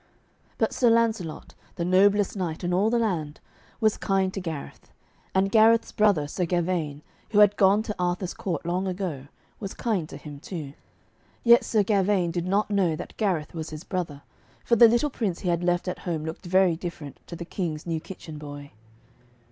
But Sir Lancelot, the noblest knight in all the land, was kind to Gareth, and Gareth's brother, Sir Gavaine, who had gone to Arthur's court long ago, was kind to him too. Yet Sir Gavaine did not know that Gareth was his brother, for the little prince he had left at home looked very different to the King's new kitchen boy.